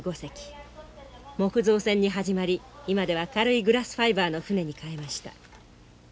木造船に始まり今では軽いグラスファイバーの舟に替えました。